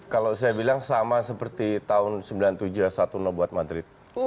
kalau saya bilang sama seperti tahun sembilan puluh tujuh satu buat madrid